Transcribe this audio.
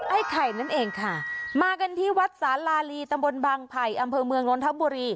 ไอ้ไข่นั่นเองค่ะมากันที่วัดสาลาลีตำบลบางไผ่อำเภอเมืองนนทบุรี